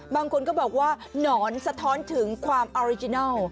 บางคนก็บอกว่าหนอนสะท้อนถึงความออริจินัล